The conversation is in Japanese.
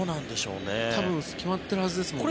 多分決まってるはずですもんね。